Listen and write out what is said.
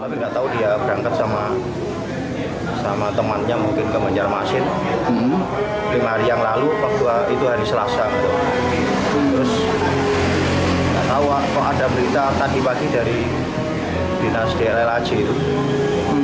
yang lalu waktu itu hari selasa terus nggak tahu kok ada berita tadi pagi dari dinas dllc itu